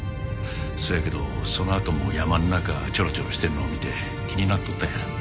そやけどそのあとも山の中チョロチョロしてるのを見て気になっとったんや。